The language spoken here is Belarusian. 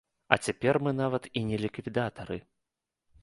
А цяпер мы нават і не ліквідатары.